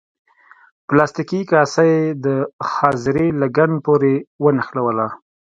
پلاستیکي کاسه یې د خاصرې لګن پورې ونښلوله.